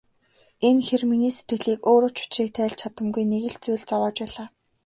Энэ хэр миний сэтгэлийг өөрөө ч учрыг тайлж чадамгүй нэг л зүйл зовоож байлаа.